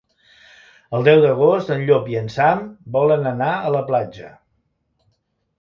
El deu d'agost en Llop i en Sam volen anar a la platja.